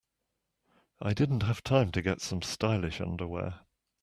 I didn't have time to get some stylish underwear.